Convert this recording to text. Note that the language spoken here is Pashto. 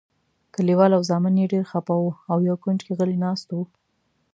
کلیوال او زامن یې ډېر خپه او یو کونج کې غلي ناست وو.